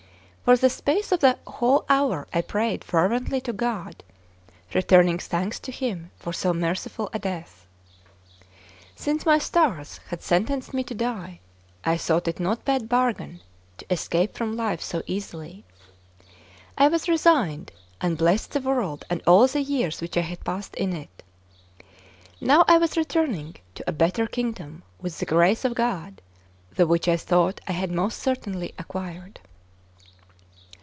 For the space of a whole hour I prayed fervently to God, returning thanks to Him for so merciful a death. Since my stars had sentenced me to die, I thought it no bad bargain to escape from life so easily. I was resigned, and blessed the world and all the years which I had passed in it. Now I was returning to a better kingdom with the grace of God, the which I thought I had most certainly acquired.